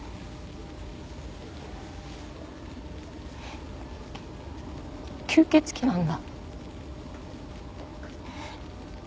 きゅ吸血鬼なんだ。